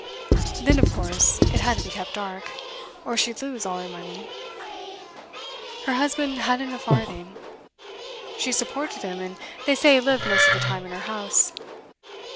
Then, of course, it had to be kept dark, or she'd lose all her money. Her husband hadn't a farthing. She supported him, and they say he lived most of the time in her house.